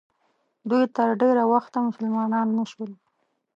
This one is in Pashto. دوی تر ډېره وخته مسلمانان نه شول.